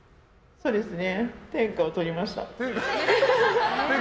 そうですね。